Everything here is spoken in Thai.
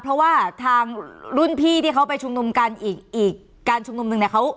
เพราะว่าทางรุ่นพี่ที่เขาไปชุมนุมกันอีกอีกการชุมนุมหนึ่งเนี่ย